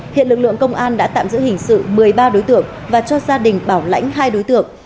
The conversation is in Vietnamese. hiện lực lượng công an đã tạm giữ hình sự một mươi ba đối tượng và cho gia đình bảo lãnh hai đối tượng